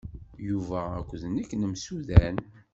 Yuba akked nekk nemsudan.